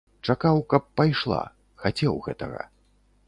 Чакаў, каб пайшла, хацеў гэтага.